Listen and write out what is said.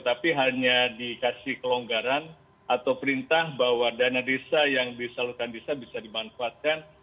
tapi hanya dikasih kelonggaran atau perintah bahwa dana desa yang disalurkan desa bisa dimanfaatkan